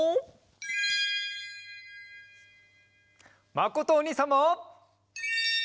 まことおにいさんも！